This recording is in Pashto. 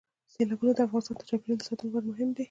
سیلابونه د افغانستان د چاپیریال ساتنې لپاره مهم دي.